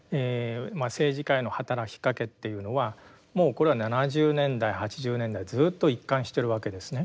政治家への働きかけっていうのはもうこれは７０年代８０年代ずっと一貫してるわけですね。